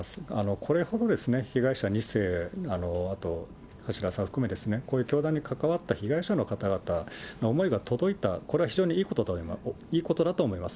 これほど被害者２世、あと橋田さんを含め、こういう教団に関わった被害者の方々の思いが届いた、これは非常にいいことだと思います。